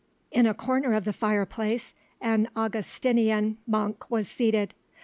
In a corner of the fireplace an Augustinian monk was seated.